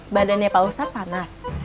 badan ya pak ustadz panas